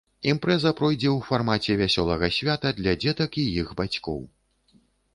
Імпрэза пройдзе ў фармаце вясёлага свята для дзетак і іх бацькоў.